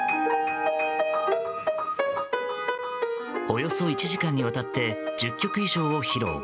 およそ１時間にわたって１０曲以上を披露。